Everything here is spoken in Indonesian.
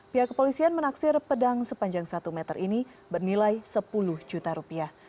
pihak kepolisian menaksir pedang sepanjang satu meter ini bernilai sepuluh juta rupiah